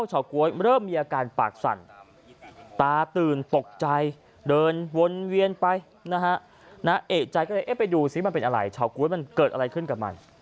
ให้เอกใจให้เขาไปดูสิมันเป็นอะไรเฉาก๊วยเกิดอะไรขึ้นกับมัน